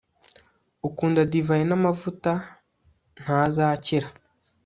ukunda divayi n'amavuta ntazakira